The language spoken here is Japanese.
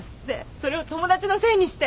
それを友達のせいにして。